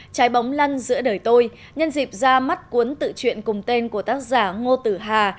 trái bóng lăn giữa đời tôi nhân dịp ra mắt cuốn tự truyện cùng tên của tác giả ngô tử hà